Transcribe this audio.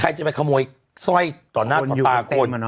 ใครจะไปขโมยสร้อยต่อหน้าต่อตาคน